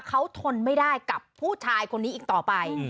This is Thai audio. เขาทนไม่ได้กับผู้ชายคนนี้อีกต่อไป